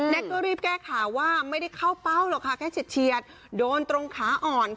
ก็รีบแก้ข่าวว่าไม่ได้เข้าเป้าหรอกค่ะแค่เฉียดโดนตรงขาอ่อนค่ะ